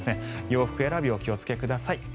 洋服選びをお気をつけください。